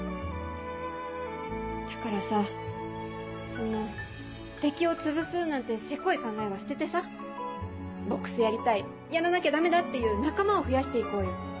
だからさそんな敵を潰すなんてせこい考えは捨ててさ「ボックスやりたい」「やらなきゃダメだ」っていう仲間を増やして行こうよ。